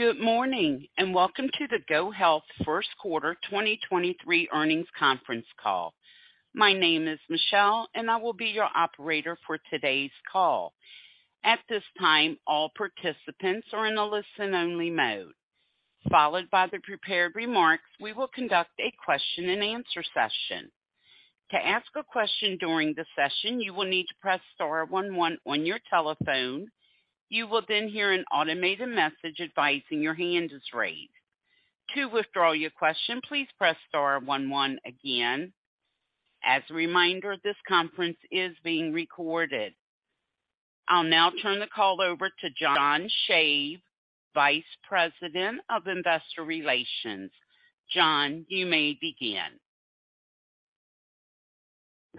Good morning, and welcome to the GoHealth Q1 2023 earnings conference call. My name is Michelle, and I will be your operator for today's call. At this time, all participants are in a listen-only mode. Followed by the prepared remarks, we will conduct a question-and-answer session. To ask a question during the session, you will need to press star 11 on your telephone. You will then hear an automated message advising your hand is raised. To withdraw your question, please press star 11 again. As a reminder, this conference is being recorded. I'll now turn the call over to John Shave, Vice President, Investor Relations. John, you may begin.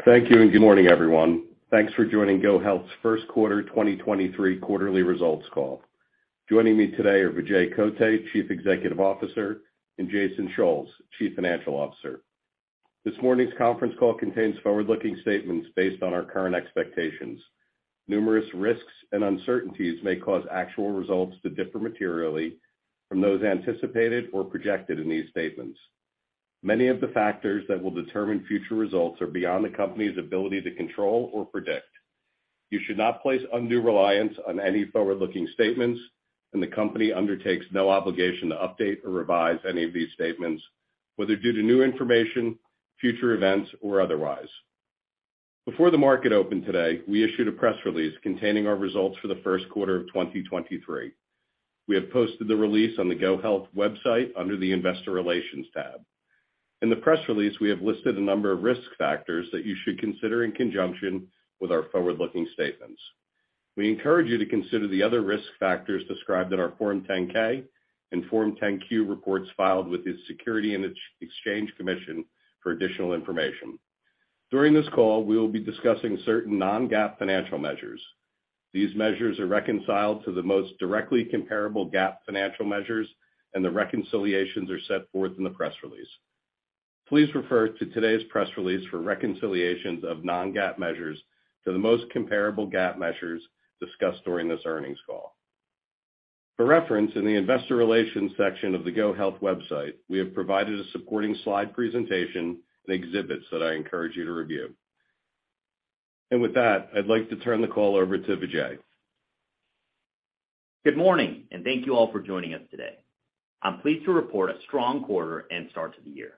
Thank you, and good morning, everyone. Thanks for joining GoHealth's Q1 2023 quarterly results call. Joining me today are Vijay Kotte, Chief Executive Officer, and Jason Schulz, Chief Financial Officer. This morning's conference call contains forward-looking statements based on our current expectations. Numerous risks and uncertainties may cause actual results to differ materially from those anticipated or projected in these statements. Many of the factors that will determine future results are beyond the company's ability to control or predict. You should not place undue reliance on any forward-looking statements, and the company undertakes no obligation to update or revise any of these statements, whether due to new information, future events, or otherwise. Before the market opened today, we issued a press release containing our results for the Q1 of 2023. We have posted the release on the GoHealth website under the Investor Relations tab. In the press release, we have listed a number of risk factors that you should consider in conjunction with our forward-looking statements. We encourage you to consider the other risk factors described in our Form 10-K and Form 10-Q reports filed with the Securities and Exchange Commission for additional information. During this call, we will be discussing certain non-GAAP financial measures. These measures are reconciled to the most directly comparable GAAP financial measures, and the reconciliations are set forth in the press release. Please refer to today's press release for reconciliations of non-GAAP measures to the most comparable GAAP measures discussed during this earnings call. For reference, in the Investor Relations section of the GoHealth website, we have provided a supporting slide presentation and exhibits that I encourage you to review. With that, I'd like to turn the call over to Vijay. Good morning, and thank you all for joining us today. I'm pleased to report a strong quarter and start to the year.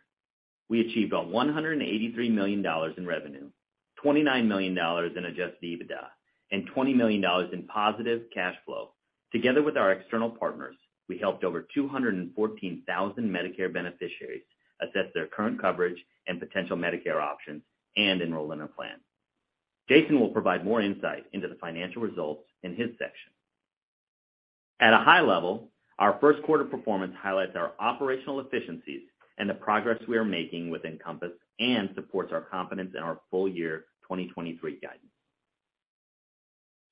We achieved $183 million in revenue, $29 million in Adjusted EBITDA, and $20 million in positive cash flow. Together with our external partners, we helped over 214,000 Medicare beneficiaries assess their current coverage and potential Medicare options and enroll in our plan. Jason will provide more insight into the financial results in his section. At a high level, our Q1 performance highlights our operational efficiencies and the progress we are making with Encompass and supports our confidence in our full year 2023 guidance.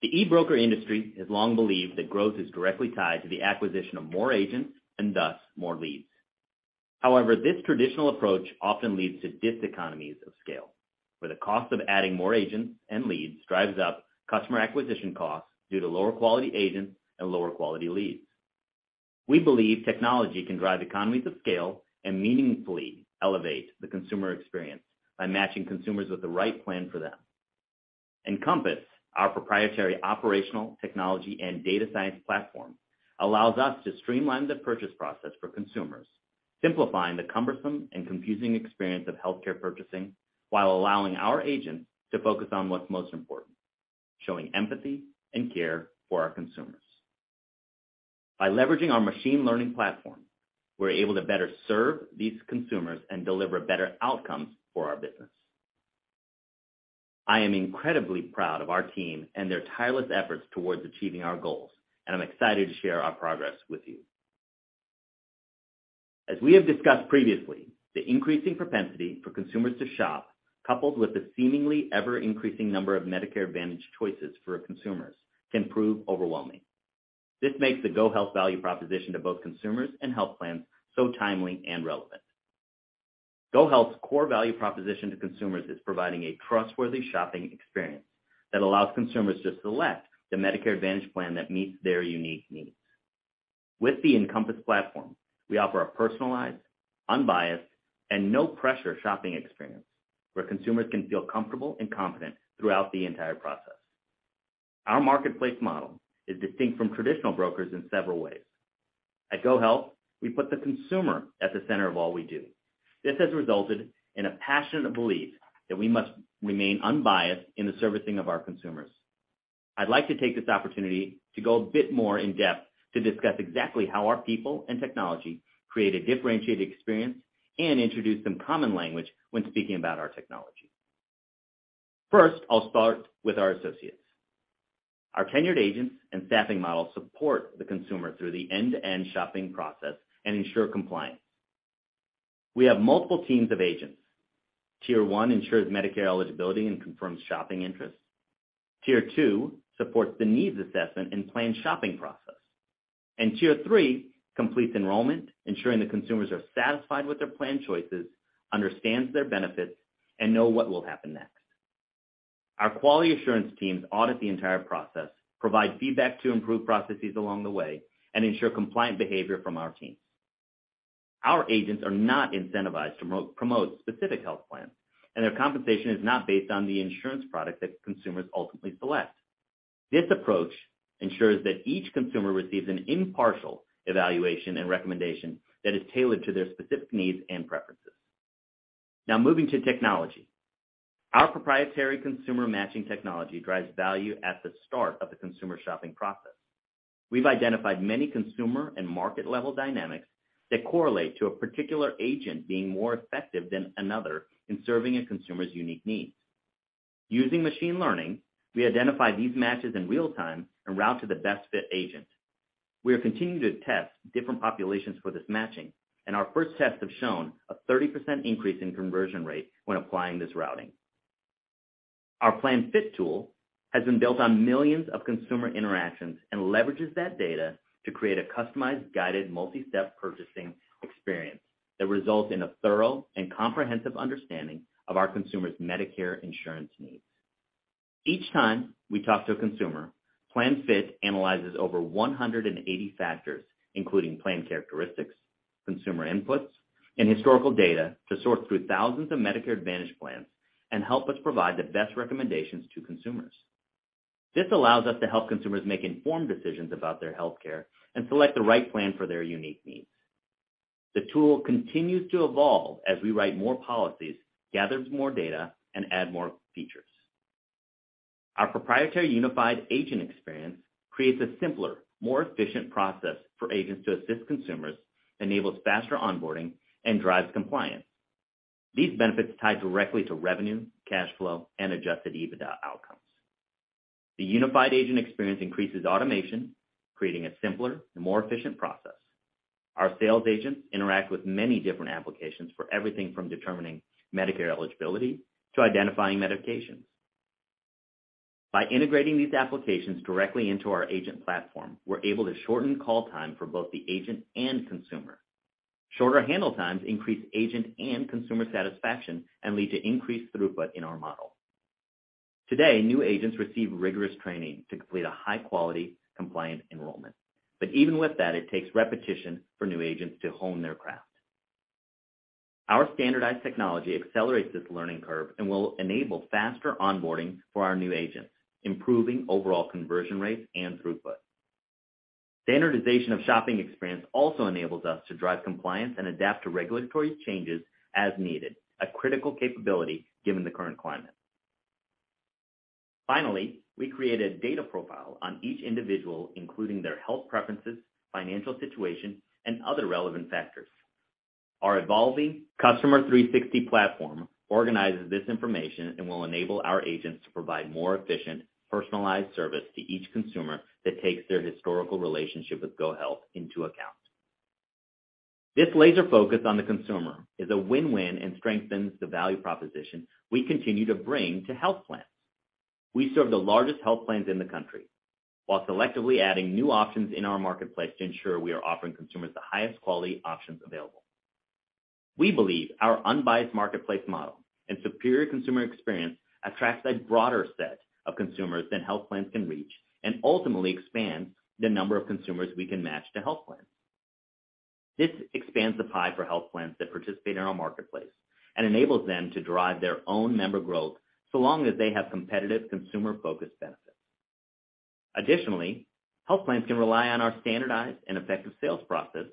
The e-broker industry has long believed that growth is directly tied to the acquisition of more agents and thus more leads. However, this traditional approach often leads to diseconomies of scale, where the cost of adding more agents and leads drives up customer acquisition costs due to lower quality agents and lower quality leads. We believe technology can drive economies of scale and meaningfully elevate the consumer experience by matching consumers with the right plan for them. Encompass, our proprietary operational technology and data science platform, allows us to streamline the purchase process for consumers, simplifying the cumbersome and confusing experience of healthcare purchasing while allowing our agents to focus on what's most important, showing empathy and care for our consumers. By leveraging our machine learning platform, we're able to better serve these consumers and deliver better outcomes for our business. I am incredibly proud of our team and their tireless efforts towards achieving our goals, and I'm excited to share our progress with you. As we have discussed previously, the increasing propensity for consumers to shop, coupled with the seemingly ever-increasing number of Medicare Advantage choices for consumers, can prove overwhelming. This makes the GoHealth value proposition to both consumers and health plans so timely and relevant. GoHealth's core value proposition to consumers is providing a trustworthy shopping experience that allows consumers to select the Medicare Advantage plan that meets their unique needs. With the Encompass platform, we offer a personalized, unbiased, and no-pressure shopping experience where consumers can feel comfortable and confident throughout the entire process. Our marketplace model is distinct from traditional brokers in several ways. At GoHealth, we put the consumer at the center of all we do. This has resulted in a passionate belief that we must remain unbiased in the servicing of our consumers. I'd like to take this opportunity to go a bit more in-depth to discuss exactly how our people and technology create a differentiated experience and introduce some common language when speaking about our technology. First, I'll start with our associates. Our tenured agents and staffing models support the consumer through the end-to-end shopping process and ensure compliance. We have multiple teams of agents. Tier I ensures Medicare eligibility and confirms shopping interests. Tier two supports the needs assessment and plan shopping process. Tier 3 completes enrollment, ensuring that consumers are satisfied with their plan choices, understands their benefits, and know what will happen next. Our quality assurance teams audit the entire process, provide feedback to improve processes along the way, and ensure compliant behavior from our teams. Our agents are not incentivized to promote specific health plans. Their compensation is not based on the insurance product that consumers ultimately select. This approach ensures that each consumer receives an impartial evaluation and recommendation that is tailored to their specific needs and preferences. Moving to technology. Our proprietary consumer matching technology drives value at the start of the consumer shopping process. We've identified many consumer and market-level dynamics that correlate to a particular agent being more effective than another in serving a consumer's unique needs. Using machine learning, we identify these matches in real time and route to the best fit agent. We are continuing to test different populations for this matching. Our first tests have shown a 30% increase in conversion rate when applying this routing. Our PlanFit tool has been built on millions of consumer interactions and leverages that data to create a customized, guided, multi-step purchasing experience that results in a thorough and comprehensive understanding of our consumer's Medicare insurance needs. Each time we talk to a consumer, PlanFit analyzes over 180 factors, including plan characteristics, consumer inputs, and historical data to sort through thousands of Medicare Advantage plans and help us provide the best recommendations to consumers. This allows us to help consumers make informed decisions about their healthcare and select the right plan for their unique needs. The tool continues to evolve as we write more policies, gather more data, and add more features. Our proprietary unified agent experience creates a simpler, more efficient process for agents to assist consumers, enables faster onboarding, and drives compliance. These benefits tie directly to revenue, cash flow, and Adjusted EBITDA outcomes. The unified agent experience increases automation, creating a simpler and more efficient process. Our sales agents interact with many different applications for everything from determining Medicare eligibility to identifying medications. By integrating these applications directly into our agent platform, we're able to shorten call time for both the agent and consumer. Shorter handle times increase agent and consumer satisfaction and lead to increased throughput in our model. Today, new agents receive rigorous training to complete a high-quality, compliant enrollment. But even with that, it takes repetition for new agents to hone their craft. Our standardized technology accelerates this learning curve and will enable faster onboarding for our new agents, improving overall conversion rates and throughput. Standardization of shopping experience also enables us to drive compliance and adapt to regulatory changes as needed, a critical capability given the current climate. Finally, we create a data profile on each individual, including their health preferences, financial situation, and other relevant factors. Our evolving Customer 360 platform organizes this information and will enable our agents to provide more efficient, personalized service to each consumer that takes their historical relationship with GoHealth into account. This laser focus on the consumer is a win-win and strengthens the value proposition we continue to bring to health plans. We serve the largest health plans in the country while selectively adding new options in our marketplace to ensure we are offering consumers the highest quality options available. We believe our unbiased marketplace model and superior consumer experience attracts a broader set of consumers than health plans can reach and ultimately expands the number of consumers we can match to health plans. This expands the pie for health plans that participate in our marketplace and enables them to drive their own member growth, so long as they have competitive consumer-focused benefits. Additionally, health plans can rely on our standardized and effective sales process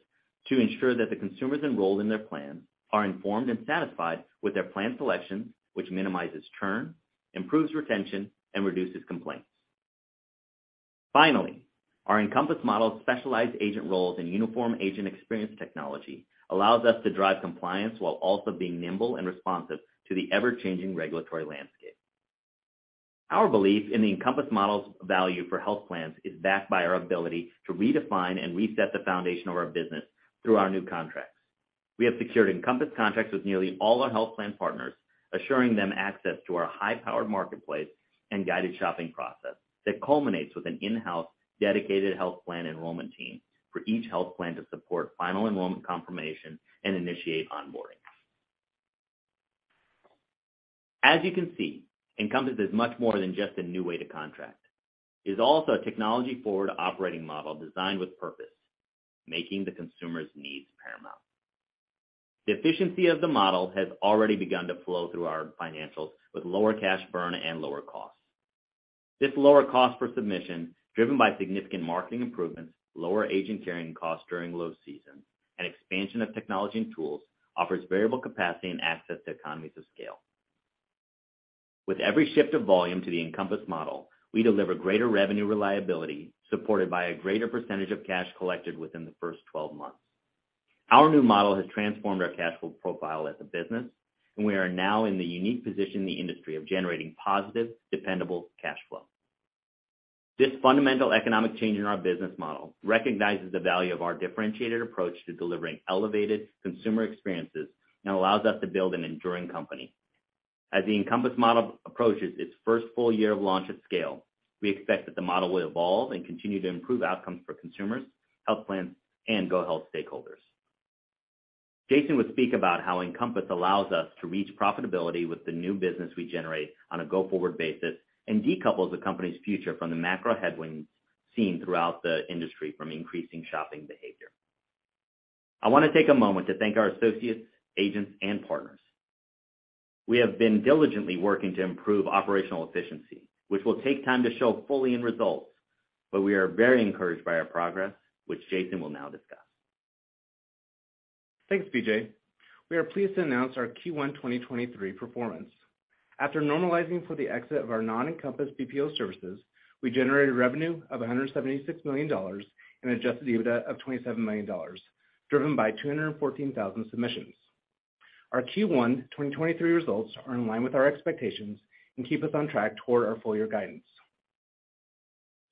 to ensure that the consumers enrolled in their plans are informed and satisfied with their plan selection, which minimizes churn, improves retention, and reduces complaints. Finally, our Encompass Model's specialized agent roles and uniform agent experience technology allows us to drive compliance while also being nimble and responsive to the ever-changing regulatory landscape. Our belief in the Encompass Model's value for health plans is backed by our ability to redefine and reset the foundation of our business through our new contracts. We have secured Encompass contracts with nearly all our health plan partners, assuring them access to our high-powered marketplace and guided shopping process that culminates with an in-house dedicated health plan enrollment team for each health plan to support final enrollment confirmation and initiate onboarding. As you can see, Encompass is much more than just a new way to contract. It is also a technology-forward operating model designed with purpose, making the consumer's needs paramount. The efficiency of the model has already begun to flow through our financials with lower cash burn and lower costs. This lower cost per submission, driven by significant marketing improvements, lower agent carrying costs during low season, and expansion of technology and tools, offers variable capacity and access to economies of scale. With every shift of volume to the Encompass Model, we deliver greater revenue reliability, supported by a greater percentage of cash collected within the first 12 months. Our new model has transformed our cash flow profile as a business, and we are now in the unique position in the industry of generating positive, dependable cash flow. This fundamental economic change in our business model recognizes the value of our differentiated approach to delivering elevated consumer experiences and allows us to build an enduring company. As the Encompass Model approaches its first full year of launch at scale, we expect that the model will evolve and continue to improve outcomes for consumers, health plans, and GoHealth stakeholders. Jason will speak about how Encompass allows us to reach profitability with the new business we generate on a go forward basis and decouples the company's future from the macro headwinds seen throughout the industry from increasing shopping behavior. I wanna take a moment to thank our associates, agents, and partners. We have been diligently working to improve operational efficiency, which will take time to show fully in results, but we are very encouraged by our progress, which Jason will now discuss. Thanks, BJ. We are pleased to announce our Q1 2023 performance. After normalizing for the exit of our non-Encompass BPO services, we generated revenue of $176 million and Adjusted EBITDA of $27 million, driven by 214,000 submissions. Our Q1 2023 results are in line with our expectations and keep us on track toward our full year guidance.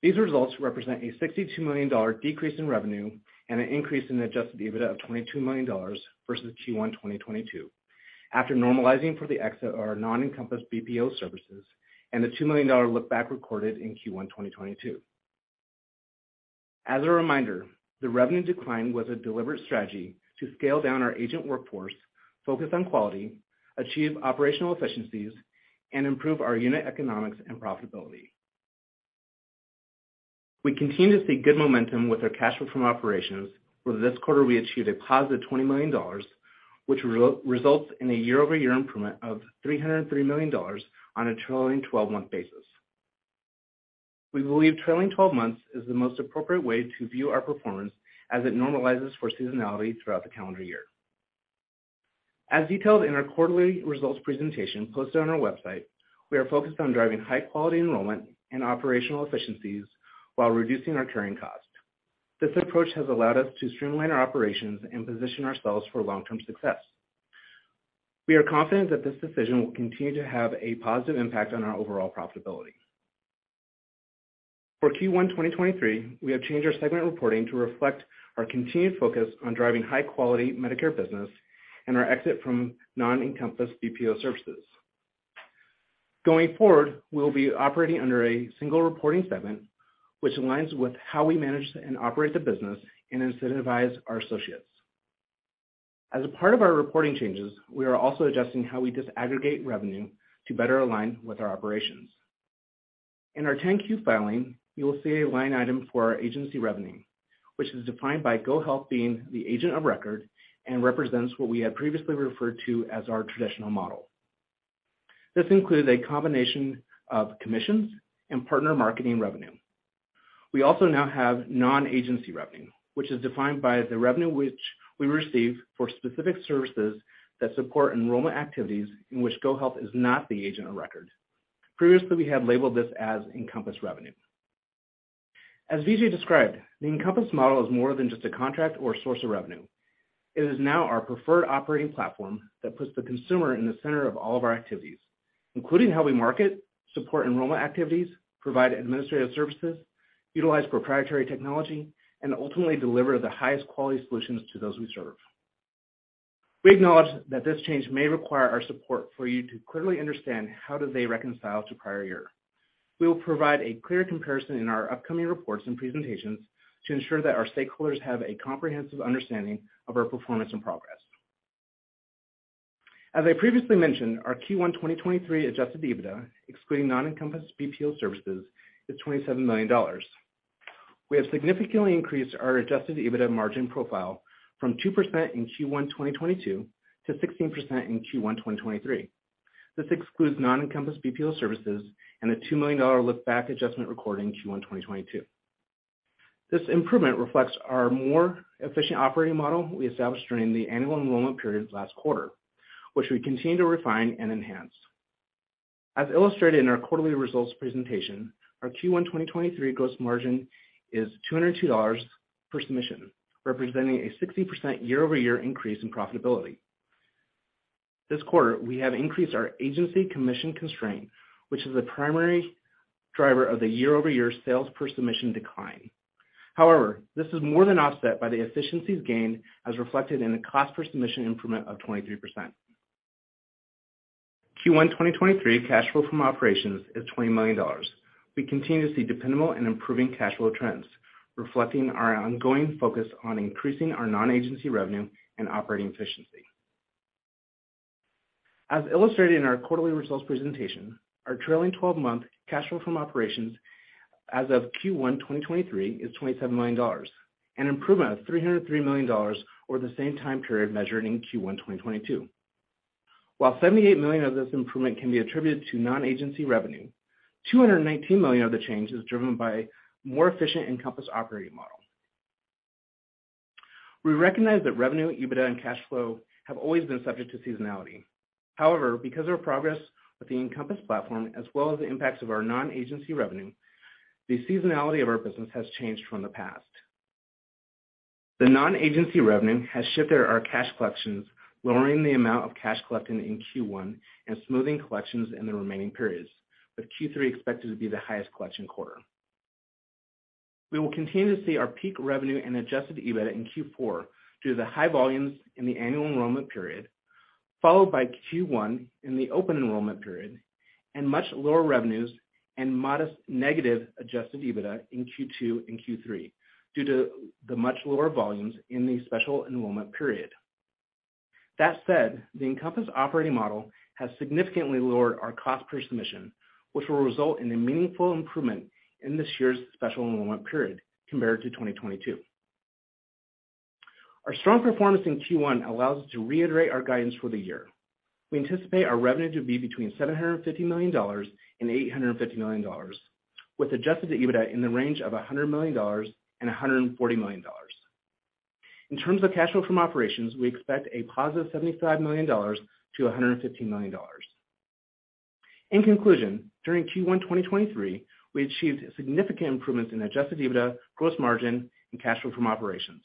These results represent a $62 million decrease in revenue and an increase in Adjusted EBITDA of $22 million versus Q1 2022. After normalizing for the exit of our non-Encompass BPO services and the $2 million look-back recorded in Q1 2022. As a reminder, the revenue decline was a deliberate strategy to scale down our agent workforce, focus on quality, achieve operational efficiencies, and improve our unit economics and profitability. We continue to see good momentum with our cash flow from operations. For this quarter, we achieved a positive $20 million which re-results in a year-over-year improvement of $303 million on a trailing 12-month basis. We believe trailing 12 months is the most appropriate way to view our performance as it normalizes for seasonality throughout the calendar year. As detailed in our quarterly results presentation posted on our website, we are focused on driving high quality enrollment and operational efficiencies while reducing our carrying cost. This approach has allowed us to streamline our operations and position ourselves for long-term success. We are confident that this decision will continue to have a positive impact on our overall profitability. For Q1 2023, we have changed our segment reporting to reflect our continued focus on driving high quality Medicare business and our exit from non-Encompass BPO services. Going forward, we'll be operating under a single reporting segment, which aligns with how we manage and operate the business and incentivize our associates. As a part of our reporting changes, we are also adjusting how we disaggregate revenue to better align with our operations. In our Q10 filing, you will see a line item for our agency revenue, which is defined by GoHealth being the agent of record and represents what we have previously referred to as our traditional model. This includes a combination of commissions and partner marketing revenue. We also now have non-agency revenue, which is defined by the revenue which we receive for specific services that support enrollment activities in which GoHealth is not the agent of record. Previously, we had labeled this as Encompass revenue. As Vijay described, the Encompass model is more than just a contract or source of revenue. It is now our preferred operating platform that puts the consumer in the center of all of our activities, including how we market, support enrollment activities, provide administrative services, utilize proprietary technology, and ultimately deliver the highest quality solutions to those we serve. We acknowledge that this change may require our support for you to clearly understand how do they reconcile to prior year. We will provide a clear comparison in our upcoming reports and presentations to ensure that our stakeholders have a comprehensive understanding of our performance and progress. As I previously mentioned, our Q1 2023 Adjusted EBITDA, excluding non-Encompass BPO services, is $27 million. We have significantly increased our Adjusted EBITDA margin profile from 2% in Q1 2022 to 16% in Q1 2023. This excludes non-Encompass BPO services and a $2 million look-back adjustment recorded in Q1 2022. This improvement reflects our more efficient operating model we established during the annual enrollment period last quarter, which we continue to refine and enhance. As illustrated in our quarterly results presentation, our Q1 2023 gross margin is $202 per submission, representing a 60% year-over-year increase in profitability. This quarter, we have increased our agency commission constraint, which is the primary driver of the year-over-year sales per submission decline. This is more than offset by the efficiencies gained as reflected in the cost per submission improvement of 23%. Q1 2023 cash flow from operations is $20 million. We continue to see dependable and improving cash flow trends, reflecting our ongoing focus on increasing our non-agency revenue and operating efficiency. As illustrated in our quarterly results presentation, our trailing 12-month cash flow from operations as of Q1 2023 is $27 million, an improvement of $303 million over the same time period measured in Q1 2022. While $78 million of this improvement can be attributed to non-agency revenue, $219 million of the change is driven by more efficient Encompass operating model. We recognize that revenue, EBITDA, and cash flow have always been subject to seasonality. However, because of our progress with the Encompass platform as well as the impacts of our non-agency revenue, the seasonality of our business has changed from the past. The non-agency revenue has shifted our cash collections, lowering the amount of cash collected in Q1 and smoothing collections in the remaining periods, with Q3 expected to be the highest collection quarter. We will continue to see our peak revenue and Adjusted EBITDA in Q4 due to the high volumes in the annual enrollment period. Followed by Q1 in the open enrollment period and much lower revenues and modest negative Adjusted EBITDA in Q2 and Q3 due to the much lower volumes in the special enrollment period. That said, the Encompass operating model has significantly lowered our cost per submission, which will result in a meaningful improvement in this year's special enrollment period compared to 2022. Our strong performance in Q1 allows us to reiterate our guidance for the year. We anticipate our revenue to be between $750 million and $850 million, with Adjusted EBITDA in the range of $100 million and $140 million. In terms of cash flow from operations, we expect a positive $75 million-$115 million. In conclusion, during Q1 2023, we achieved significant improvements in Adjusted EBITDA, gross margin, and cash flow from operations.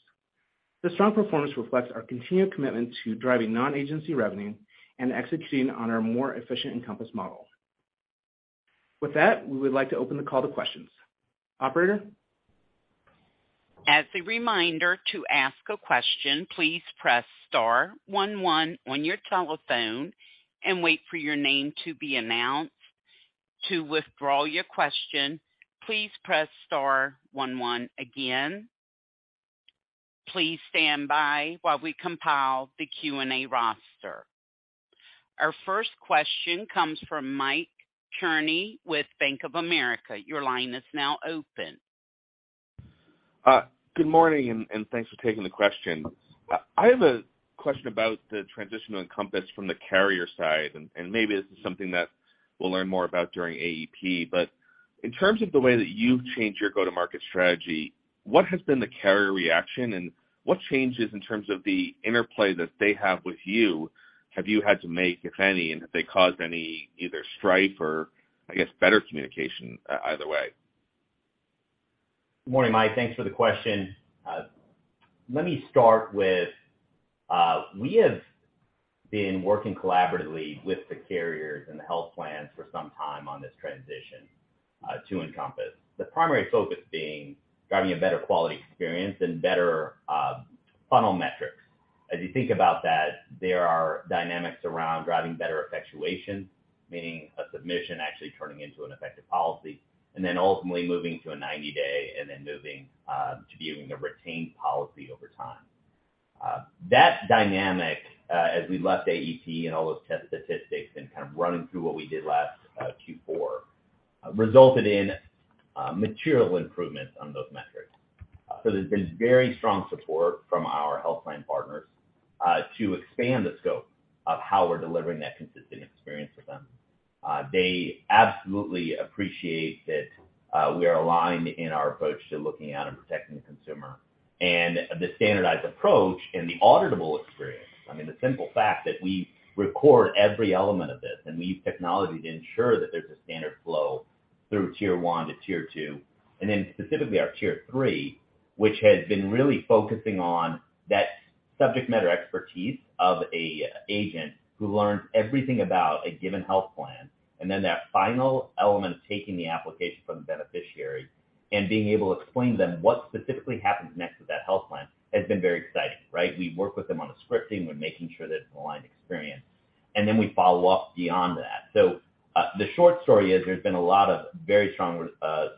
This strong performance reflects our continued commitment to driving non-agency revenue and executing on our more efficient Encompass model. With that, we would like to open the call to questions. Operator? As a reminder, to ask a question, please press star one one on your telephone and wait for your name to be announced. To withdraw your question, please press star one one again. Please stand by while we compile the Q&A roster. Our first question comes from Mike Cherny with Bank of America. Your line is now open. Good morning, and thanks for taking the question. I have a question about the transition to Encompass from the carrier side, and maybe this is something that we'll learn more about during AEP. In terms of the way that you've changed your go-to-market strategy, what has been the carrier reaction, and what changes in terms of the interplay that they have with you have you had to make, if any? Have they caused any either strife or, I guess, better communication, either way? Good morning, Mike. Thanks for the question. Let me start with, we have been working collaboratively with the carriers and the health plans for some time on this transition to Encompass, the primary focus being driving a better quality experience and better funnel metrics. As you think about that, there are dynamics around driving better effectuation, meaning a submission actually turning into an effective policy, and then ultimately moving to a 90-day and then moving to being a retained policy over time. That dynamic, as we left AEP and all those test statistics and kind of running through what we did last Q4, resulted in material improvements on those metrics. There's been very strong support from our health plan partners to expand the scope of how we're delivering that consistent experience for them. They absolutely appreciate that, we are aligned in our approach to looking at and protecting the consumer. The standardized approach and the auditable experience, I mean, the simple fact that we record every element of this, and we use technology to ensure that there's a standard flow through tier one to tier two, and then specifically our tier three, which has been really focusing on that subject matter expertise of a agent who learns everything about a given health plan, and then that final element of taking the application from the beneficiary and being able to explain to them what specifically happens next with that health plan has been very exciting, right? We work with them on the scripting. We're making sure there's an aligned experience, and then we follow up beyond that. The short story is there's been a lot of very strong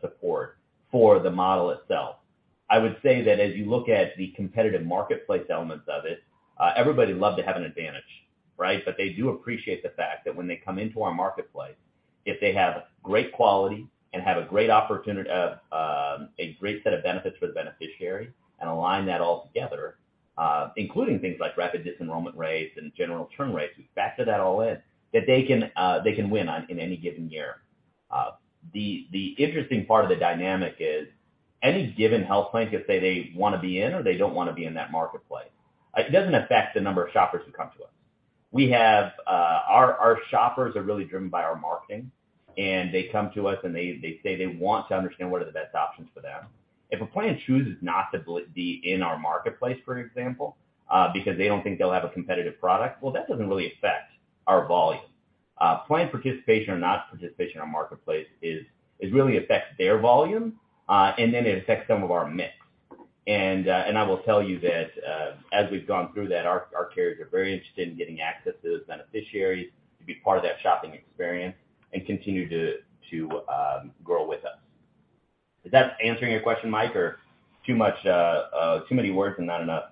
support for the model itself. I would say that as you look at the competitive marketplace elements of it, everybody loved to have an advantage, right? They do appreciate the fact that when they come into our marketplace, if they have great quality and have a great set of benefits for the beneficiary and align that all together, including things like rapid disenrollment rates and general term rates, we factor that all in, that they can win on in any given year. The interesting part of the dynamic is any given health plan can say they wanna be in or they don't wanna be in that marketplace. It doesn't affect the number of shoppers who come to us. We have, our shoppers are really driven by our marketing, and they come to us, and they say they want to understand what are the best options for them. If a plan chooses not to be in our marketplace, for example, because they don't think they'll have a competitive product, well, that doesn't really affect our volume. Plan participation or not participation in our marketplace is really affects their volume, and then it affects some of our mix. I will tell you that, as we've gone through that, our carriers are very interested in getting access to those beneficiaries to be part of that shopping experience and continue to grow with us. Is that answering your question, Mike, or too much, too many words and not enough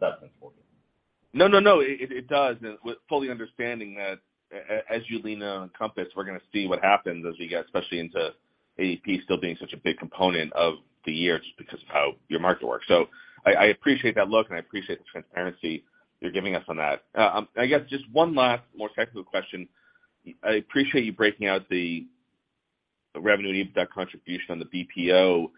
substance for you? No, no. It does. With fully understanding that as you lean on Encompass, we're gonna see what happens as we get especially into AEP still being such a big component of the year just because of how your market works. I appreciate that look, and I appreciate the transparency you're giving us on that. I guess just one last more technical question. I appreciate you breaking out the revenue and EBITDA contribution on the BPO.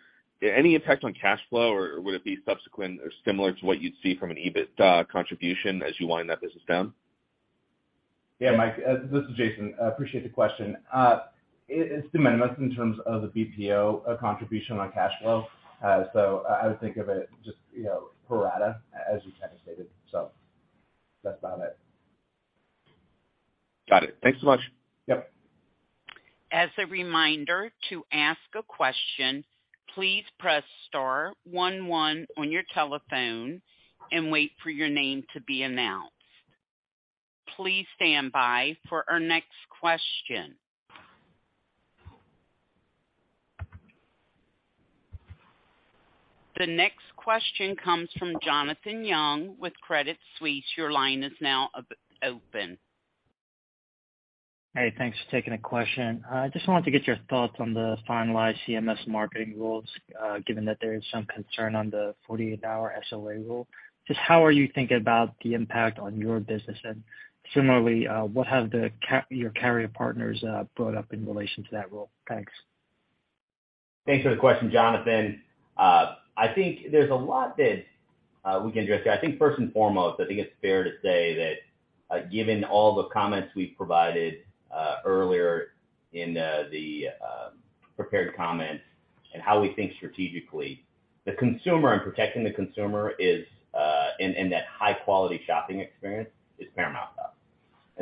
Any impact on cash flow, or would it be subsequent or similar to what you'd see from an EBIT contribution as you wind that business down? Yeah, Mike, this is Jason. I appreciate the question. It's de minimis in terms of the BPO contribution on cash flow. I would think of it just, you know, pro rata as you kind of stated. That's about it. Got it. Thanks so much. Yep. As a reminder, to ask a question, please press star one one on your telephone and wait for your name to be announced. Please stand by for our next question. The next question comes from Jonathan Yung with Credit Suisse. Your line is now open. Hey, thanks for taking the question. I just wanted to get your thoughts on the finalized CMS marketing rules, given that there is some concern on the 48-hour SOA rule. Just how are you thinking about the impact on your business? Similarly, what have your carrier partners brought up in relation to that rule? Thanks. Thanks for the question, Jonathan. I think there's a lot that we can address here. I think first and foremost, I think it's fair to say that, given all the comments we've provided, earlier in the prepared comments and how we think strategically, the consumer and protecting the consumer is in that high-quality shopping experience is paramount to us.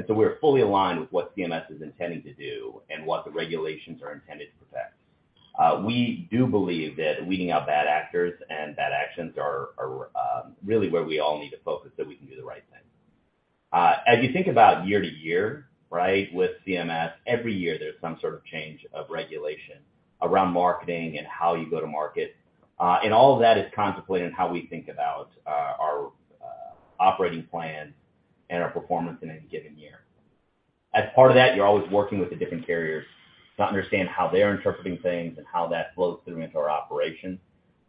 We're fully aligned with what CMS is intending to do and what the regulations are intended to protect. We do believe that weeding out bad actors and bad actions are really where we all need to focus, so we can do the right thing. As you think about year-to-year, right, with CMS, every year there's some sort of change of regulation around marketing and how you go to market. All of that is contemplated in how we think about our operating plan and our performance in any given year. As part of that, you're always working with the different carriers to understand how they're interpreting things and how that flows through into our operations.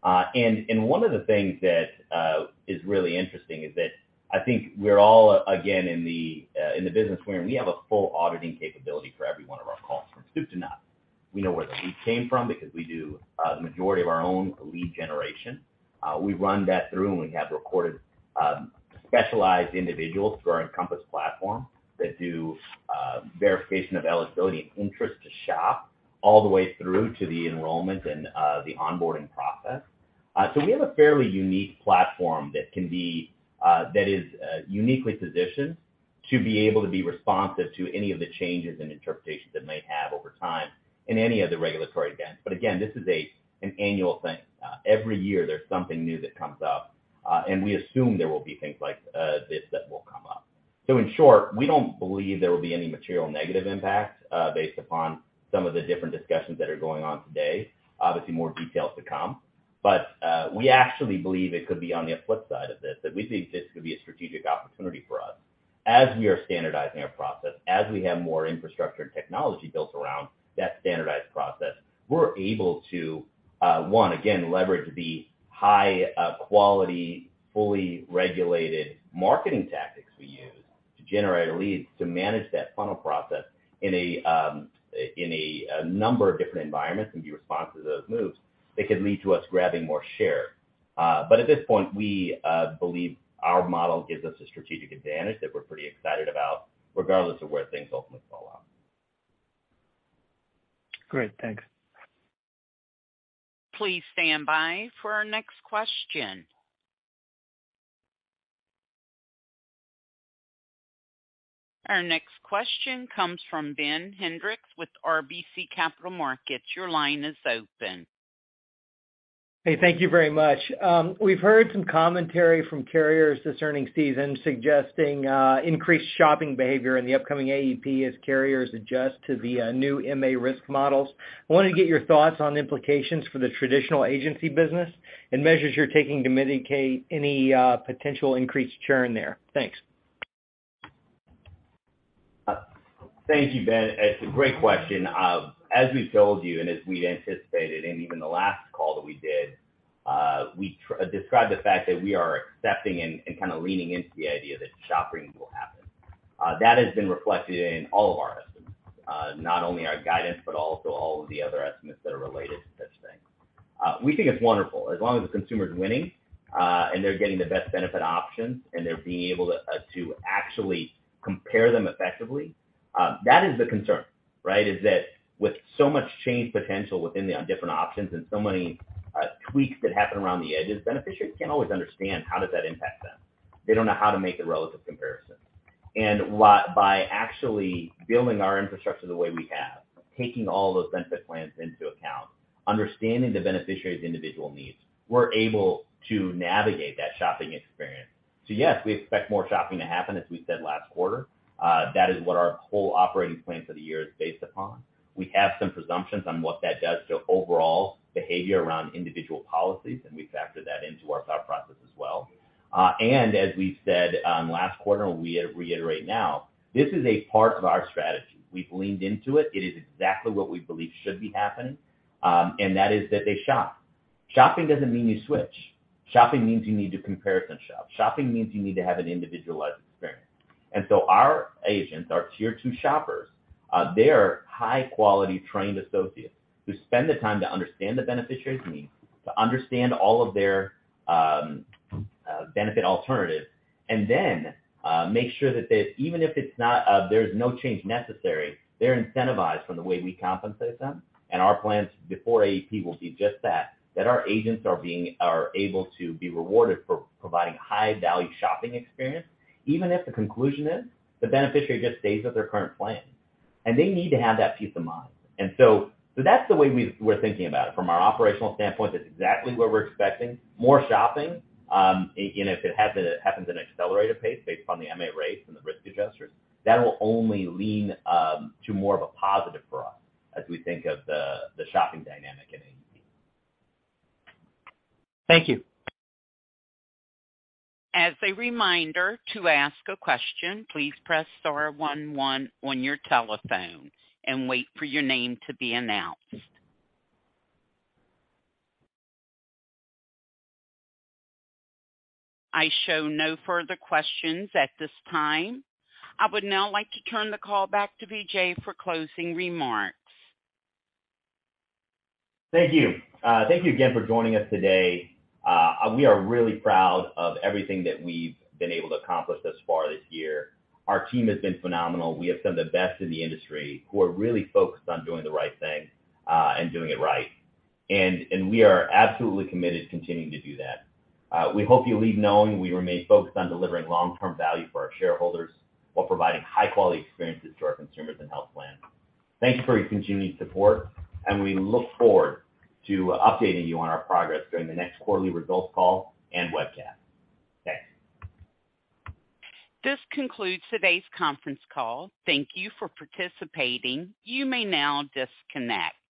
One of the things that is really interesting is that I think we're all, again, in the business where we have a full auditing capability for every one of our calls from soup to nuts. We know where the lead came from because we do the majority of our own lead generation. We run that through, and we have recorded specialized individuals through our Encompass platform that do verification of eligibility and interest to shop all the way through to the enrollment and the onboarding process. We have a fairly unique platform that can be, that is, uniquely positioned to be able to be responsive to any of the changes and interpretations it may have over time in any of the regulatory events. Again, this is an annual thing. Every year, there's something new that comes up, and we assume there will be things like this that will come up. In short, we don't believe there will be any material negative impact, based upon some of the different discussions that are going on today. Obviously, more details to come. We actually believe it could be on the flip side of this, that we think this could be a strategic opportunity for us. As we are standardizing our process, as we have more infrastructure and technology built around that standardized process, we're able to, one, again, leverage the high quality, fully regulated marketing tactics we use to generate leads to manage that funnel process in a number of different environments and be responsive to those moves that could lead to us grabbing more share. At this point, we believe our model gives us a strategic advantage that we're pretty excited about regardless of where things ultimately fall out. Great. Thanks. Please stand by for our next question. Our next question comes from Ben Hendrix with RBC Capital Markets. Your line is open. Hey, thank you very much. We've heard some commentary from carriers this earnings season suggesting, increased shopping behavior in the upcoming AEP as carriers adjust to the new MA risk models. I wanted to get your thoughts on implications for the traditional agency business and measures you're taking to mitigate any potential increased churn there. Thanks. Thank you, Ben. It's a great question. As we've told you, and as we'd anticipated, and even the last call that we did, we described the fact that we are accepting and kinda leaning into the idea that shopping will happen. That has been reflected in all of our estimates, not only our guidance, but also all of the other estimates that are related to such things. We think it's wonderful. As long as the consumer's winning, and they're getting the best benefit options, and they're being able to actually compare them effectively, that is the concern, right? Is that with so much change potential within the different options and so many tweaks that happen around the edges, beneficiaries can't always understand how does that impact them. They don't know how to make the relative comparison. By actually building our infrastructure the way we have, taking all those benefit plans into account, understanding the beneficiary's individual needs, we're able to navigate that shopping experience. Yes, we expect more shopping to happen as we said last quarter. That is what our whole operating plan for the year is based upon. We have some presumptions on what that does to overall behavior around individual policies, and we factor that into our thought process as well. As we said last quarter, and we reiterate now, this is a part of our strategy. We've leaned into it. It is exactly what we believe should be happening, and that is that they shop. Shopping doesn't mean you switch. Shopping means you need to comparison shop. Shopping means you need to have an individualized experience. Our agents, our tier 2 shoppers, they are high-quality trained associates who spend the time to understand the beneficiary's needs, to understand all of their benefit alternatives, and then make sure that even if it's not there's no change necessary, they're incentivized from the way we compensate them. Our plans before AEP will be just that our agents are being, are able to be rewarded for providing high-value shopping experience, even if the conclusion is the beneficiary just stays with their current plan. They need to have that peace of mind. So that's the way we're thinking about it. From our operational standpoint, that's exactly what we're expecting, more shopping, and if it happens in accelerated pace based on the MA rates and the risk adjusters, that will only lean to more of a positive for us as we think of the shopping dynamic in AEP. Thank you. As a reminder, to ask a question, please press star one one on your telephone and wait for your name to be announced. I show no further questions at this time. I would now like to turn the call back to Vijay for closing remarks. Thank you. Thank you again for joining us today. We are really proud of everything that we've been able to accomplish thus far this year. Our team has been phenomenal. We have some of the best in the industry who are really focused on doing the right thing and doing it right. We are absolutely committed to continuing to do that. We hope you leave knowing we remain focused on delivering long-term value for our shareholders while providing high-quality experiences to our consumers and health plans. Thank you for your continued support, and we look forward to updating you on our progress during the next quarterly results call and webcast. Thanks. This concludes today's conference call. Thank you for participating. You may now disconnect.